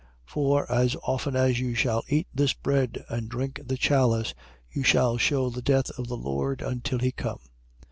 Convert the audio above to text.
11:26. For as often as you shall eat this bread and drink the chalice, you shall shew the death of the Lord, until he come.